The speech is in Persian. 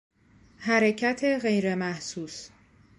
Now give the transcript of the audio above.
حرکت غیرمحسوس